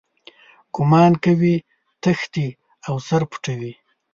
ګومان کوي تښتي او سر پټوي.